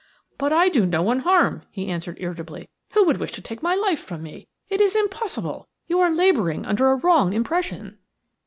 "But I do no one harm," he answered, irritably. "Who could wish to take my life from me? It is impossible. You are labouring under a wrong impression."